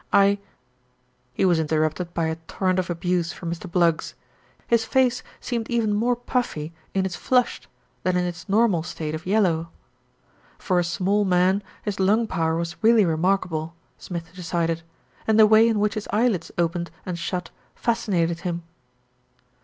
I " He was interrupted by a torrent of abuse from Mr. Bluggs. His face seemed even more puffy in its flushed than in its normal state of yellow. For a 180 THE RETURN OF ALFRED small man, his lung power was really remarkable, Smith decided, and the way in which his eyelids opened and shut fascinated him.